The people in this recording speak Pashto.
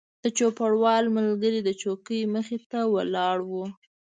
د چوپړوال ملګری د څوکۍ مخې ته ولاړ و.